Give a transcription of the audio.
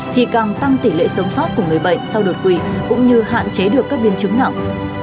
thì càng tăng tỷ lệ sống sót của người bệnh sau đột quỵ cũng như hạn chế được các biên chứng nặng